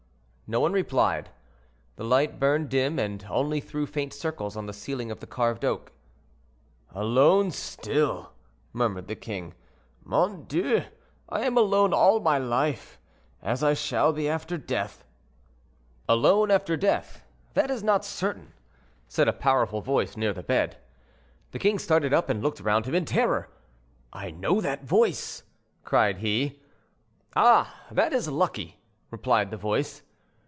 No one replied. The light burned dim, and only threw faint circles on the ceiling of carved oak. "Alone, still!" murmured the king. "Mon Dieu! I am alone all my life, as I shall be after death." "'Alone after death'; that is not certain," said a powerful voice near the bed. The king started up and looked round him in terror. "I know that voice," cried he. "Ah! that is lucky," replied the voice.